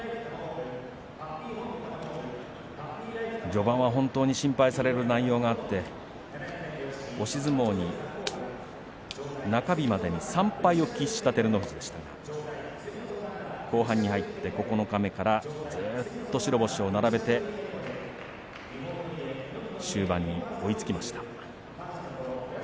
序盤は本当に心配される内容があって押し相撲に中日までに３敗を喫した照ノ富士でしたが後半に入って九日目からはずっと白星を並べて終盤に追いつきました。